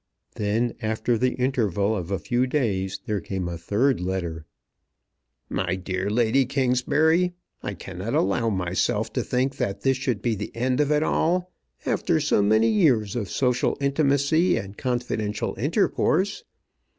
Then, after the interval of a few days, there came a third letter. MY DEAR LADY KINGSBURY, I cannot allow myself to think that this should be the end of it all, after so many years of social intimacy and confidential intercourse.